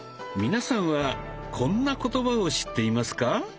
皆さんはこんな言葉を知っていますか？